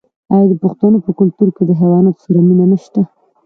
آیا د پښتنو په کلتور کې د حیواناتو سره مینه نشته؟